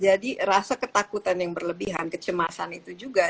jadi rasa ketakutan yang berlebihan kecemasan itu juga